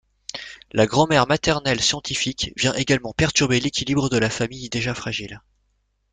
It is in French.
La grand-mère maternelle, scientifique, vient également perturber l'équilibre de la famille déjà fragile.